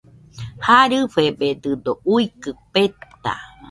Jarɨfededɨdo uikɨ peta